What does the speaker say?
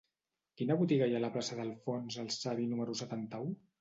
Quina botiga hi ha a la plaça d'Alfons el Savi número setanta-u?